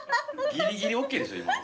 ギリギリＯＫでしょ今の。